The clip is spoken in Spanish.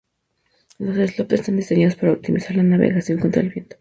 Los sloop están diseñados para optimizar la navegación contra el viento.